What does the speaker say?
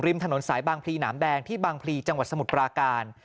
ริมถนนสายบางพรีน้ำแดงที่บางพรีจังหวัดสมุดปราการ